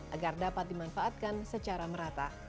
agar dapat dimanfaatkan secara merata